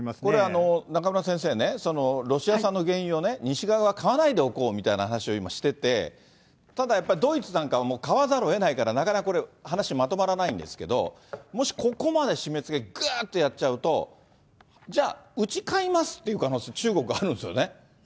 これ、中村先生ね、ロシア産の原油を西側は買わないでおこうみたいな話を今してて、ただやっぱり、ドイツなんかはもう買わざるをえないから、なかなかこれ、話まとまらないんですけど、もしここまで締めつけ、ぐっとやっちゃうと、じゃあ、うち買いますっていう可能性、中国はあるんですよね。